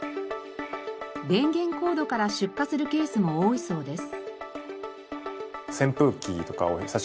電源コードから出火するケースも多いそうです。